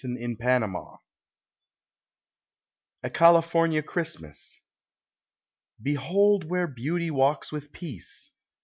JOAQUIN MILLER. A CALIFORNIA CHRISTMAS. Behold where Beauty walks with Peace